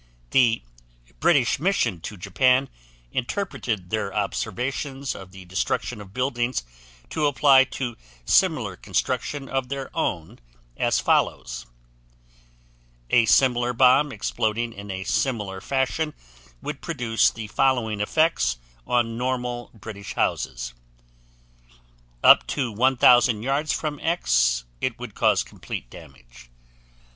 The British Mission to Japan interpreted their observations of the destruction of buildings to apply to similar construction of their own as follows: A similar bomb exploding in a similar fashion would produce the following effects on normal British houses: Up to 1,000 yards from X it would cause complete collapse.